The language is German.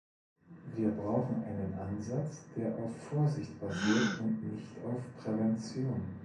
Wir brauchen einen Ansatz, der auf Vorsicht basiert und nicht auf Prävention.